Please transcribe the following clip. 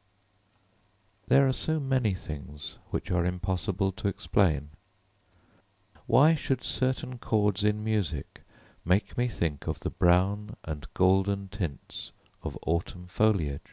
I There are so many things which are impossible to explain! Why should certain chords in music make me think of the brown and golden tints of autumn foliage?